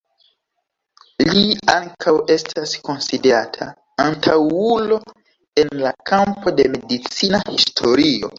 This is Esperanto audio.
Li ankaŭ estas konsiderata antaŭulo en la kampo de medicina historio.